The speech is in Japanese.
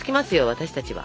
私たちは。